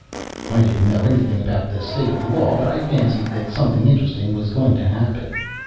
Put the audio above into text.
I didn't know anything about the state of the law; but I fancied that something interesting was going to happen.